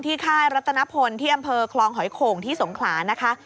ค่ายรัตนพลที่อำเภอคลองหอยโข่งที่สงขลานะคะ